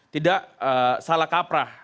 tidak salah kaprah